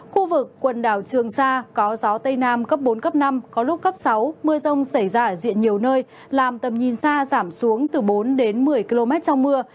khu vực quần đảo trường sa có gió tây nam cấp bốn cấp năm có lúc cấp sáu mưa rông xảy ra ở diện nhiều nơi làm tầm nhìn xa giảm xuống từ bốn đến một mươi km trong mưa